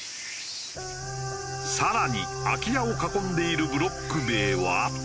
更に空き家を囲んでいるブロック塀は。